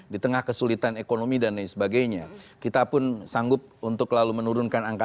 di tengah kesulitan ekonomi dan lain sebagainya kita pun sanggup untuk lalu menurunkan angka